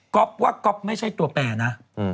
ว่าก๊อฟไม่ใช่ตัวแปรนะ